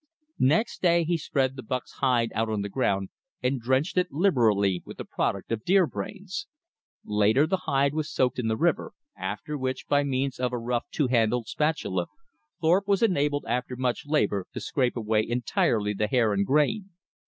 Next day he spread the buck's hide out on the ground and drenched it liberally with the product of deer brains. Later the hide was soaked in the river, after which, by means of a rough two handled spatula, Thorpe was enabled after much labor to scrape away entirely the hair and grain.